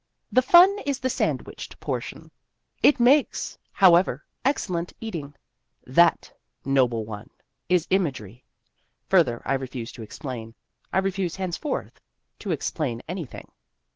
The fun is the sandwiched portion. It makes, however, excellent eating. (That, noble one, is imagery. Further I refuse to explain ; I refuse henceforth to explain anything.)